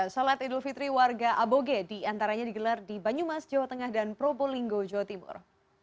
salat idul fitri warga aboge diantaranya digelar di banyumas jawa tengah dan probolinggo jawa timur